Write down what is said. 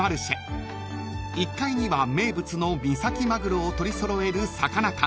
［１階には名物の三崎マグロを取り揃えるさかな館］